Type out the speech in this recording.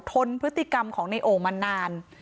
ทนพฤติกรรมของในโอ่งมานาน